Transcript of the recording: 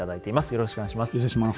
よろしくお願いします。